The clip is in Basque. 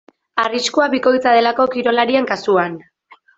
Arriskua bikoitza delako kirolarien kasuan.